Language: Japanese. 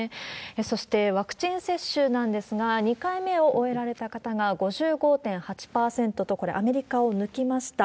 そして、ワクチン接種なんですが、２回目を終えられた方が５５．８％と、これアメリカを抜きました。